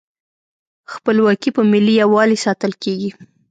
خپلواکي په ملي یووالي ساتل کیږي.